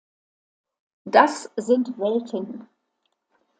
Das sind Welten.